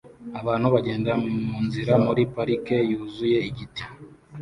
Abantu bagenda munzira muri parike yuzuye igiti